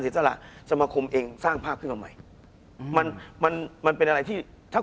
คุณผู้ชมบางท่าอาจจะไม่เข้าใจที่พิเตียร์สาร